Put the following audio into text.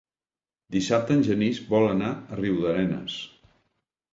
Dissabte en Genís vol anar a Riudarenes.